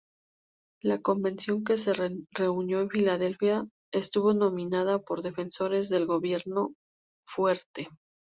La convención que se reunió en Filadelfia estuvo dominada por defensores del gobierno fuerte.